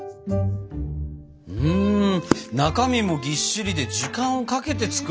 中身もぎっしりで時間をかけて作るんだね。